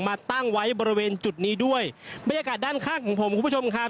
มาตั้งไว้บริเวณจุดนี้ด้วยบรรยากาศด้านข้างของผมคุณผู้ชมครับ